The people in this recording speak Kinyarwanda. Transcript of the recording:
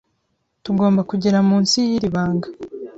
Tugomba kugera munsi yiri banga.